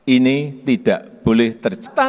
ini tidak boleh terciptakan